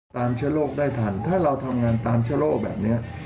เชื้อโรคได้ทันถ้าเราทำงานตามเชื้อโรคแบบนี้